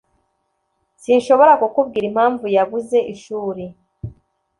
Sinshobora kukubwira impamvu yabuze ishuri